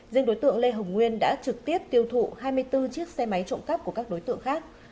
riêng đối tượng lê hồng nguyên đã trực tiếp tiêu thụ hai mươi bốn chiếc xe máy trộm cắp của các đối tượng khác